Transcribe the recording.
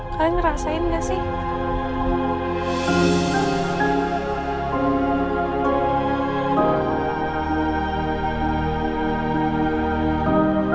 kalian ngerasain gak sih